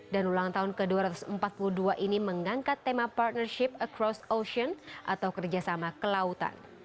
dan ulang tahun ke dua ratus empat puluh dua ini mengangkat tema partnership across ocean atau kerjasama ke lautan